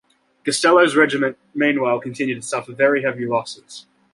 Gastello's regiment meanwhile continued to suffer very heavy losses.